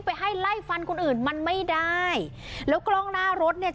ไปให้ไล่ฟันคนอื่นมันไม่ได้แล้วกล้องหน้ารถเนี่ย